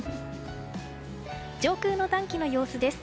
上空の暖気の様子です。